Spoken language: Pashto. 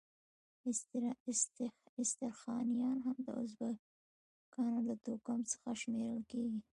استرخانیان هم د ازبکانو له توکم څخه شمیرل کیږي.